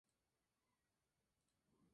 En Arroyo de los Patos el clima es saludable.